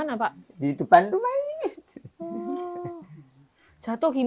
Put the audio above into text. seperti tempat tidur parkir